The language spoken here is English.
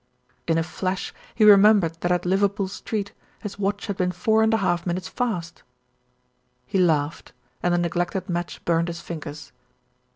In a flash he remembered that at Liverpool Street his watch had been four and a half minutes fast. He laughed, and the neglected match burned his fingers.